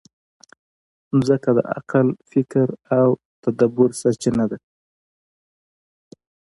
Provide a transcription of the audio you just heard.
مځکه د عقل، فکر او تدبر سرچینه ده.